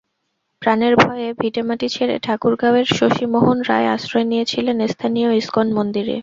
প্রাণের ভয়ে ভিটেমাটি ছেড়ে ঠাকুরগাঁওয়ের শশি মোহন রায় আশ্রয় নিয়েছিলেন স্থানীয় ইসকন মন্দিরে।